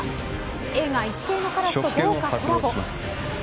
映画、イチケイのカラスと豪華コラボ。